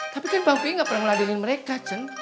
tapi kan bang pi gak pernah ngeladainin mereka jen